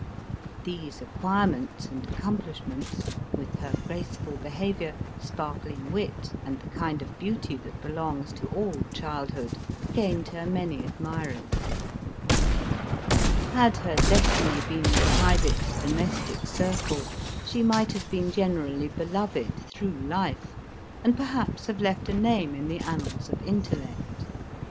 These acquirements and accomplishments, with her graceful behavior, sparkling wit, and the kind of beauty that belongs to all childhood, gained her many admirers. Had her destiny been the private, domestic circle, she might have been generally beloved through life, and perhaps have loft a name in the annals of in* tellect.